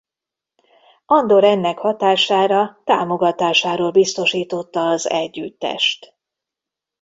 Andor ennek hatására támogatásáról biztosította az együttest.